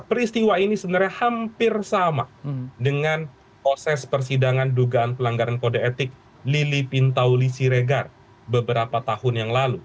peristiwa ini sebenarnya hampir sama dengan proses persidangan dugaan pelanggaran kode etik lili pintauli siregar beberapa tahun yang lalu